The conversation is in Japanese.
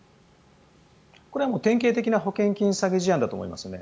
これは典型的な保険金詐欺事案だと思いますね。